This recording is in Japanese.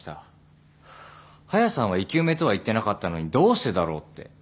ハヤさんは「生き埋め」とは言ってなかったのにどうしてだろうって。